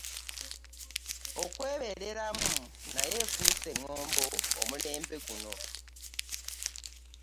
Okwebeereramu nayo efuuse ŋŋombo omulembe guno.